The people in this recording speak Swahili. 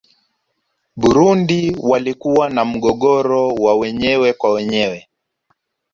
burundi walikuwa na mgogoro wa wenyewe kwa wenyewe